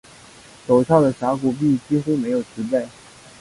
陡峭的峡谷壁几乎没有植被。